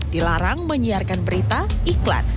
dilarang menyiarkan berita iklan